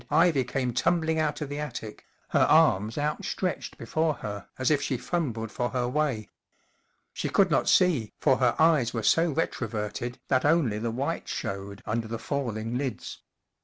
Ivy came tumbling out of the attic, her arms out¬ stretched before her as if she fumbled for her way. She could not see, for her eyes were so retroverted that only the whites showed under the falling lids.